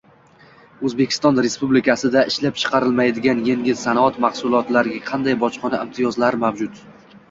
O’zbekiston Respublikasida ishlab chiqarilmaydigan engil sanoat mahsulotlariga qanday bojxona imtiyozlari mavjud?